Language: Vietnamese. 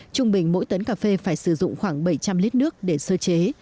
trung bình mỗi tấn cà phê phải sử dụng khoảng bảy trăm linh lít nước để sơ chế